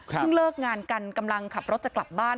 เลิกงานกันกำลังขับรถจะกลับบ้าน